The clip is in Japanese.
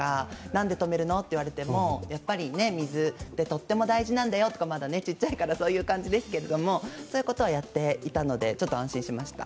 何で止めるの？と言われても、水ってとっても大事なんだよと、まだ小さいからそういう感じですけど、そういうことはやっていたので、ちょっと安心しました。